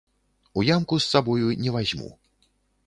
У ямку з сабою не вазьму.